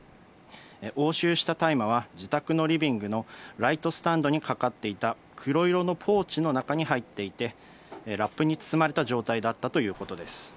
押収した大麻は自宅のリビングのライトスタンドにかかっていた黒色のポーチの中に入っていて、ラップに包まれた状態だったということです。